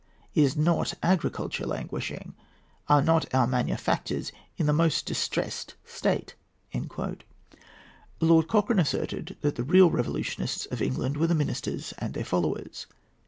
Is not agriculture languishing? Are not our manufactures in the most distressed state?" Lord Cochrane asserted that the real revolutionists of England were the ministers and their followers.